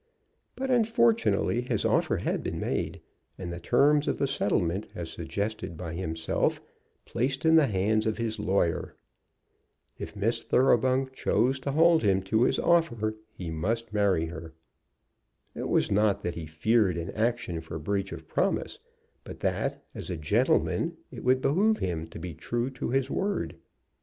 But unfortunately his offer had been made, and the terms of the settlement, as suggested by himself, placed in the hands of his lawyer. If Miss Thoroughbung chose to hold him to his offer, he must marry her. It was not that he feared an action for breach of promise, but that, as a gentleman, it would behoove him to be true to his word.